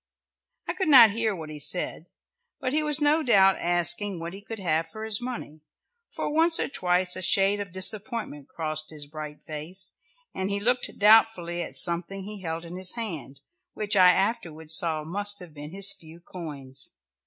I could not hear what he said, but he was no doubt asking what he could have for his money, for once or twice a shade of disappointment crossed his bright face, and he looked doubtfully at something he held in his hand, which I afterwards saw must have been his few coins.